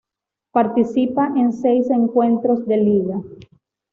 Participa en seis encuentros de liga.